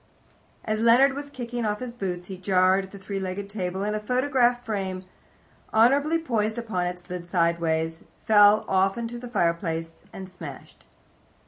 As Leonard was kicking off his boots he jarred the three legged table, and a photograph frame, honourably poised upon it, slid sideways, fell off into the fireplace, and smashed.